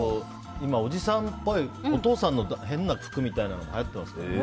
今、おじさんっぽいお父さんの変な服みたいなのがはやってますから。